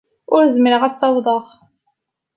Ur zmireɣ ad t-awḍeɣ.